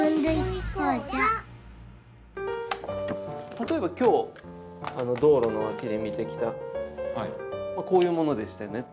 例えば今日道路の脇で見てきたこういうものでしたよね。